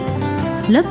sinh cơ lập nghiệp